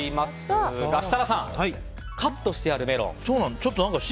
設楽さん、カットしてあるメロン。